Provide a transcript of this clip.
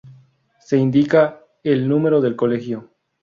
Se indica el número del colegio.